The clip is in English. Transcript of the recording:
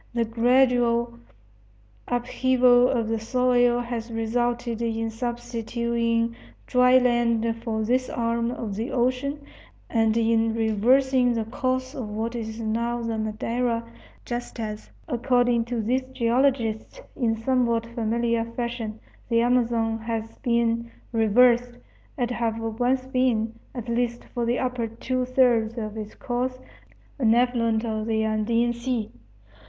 The gradual upheaval of the soil has resulted in substituting dry land for this arm of the ocean and in reversing the course of what is now the Madeira, just as, according to these geologists, in somewhat familiar fashion the Amazon has been reversed, it having once been, at least for the upper two thirds of its course, an affluent of the Andean Sea.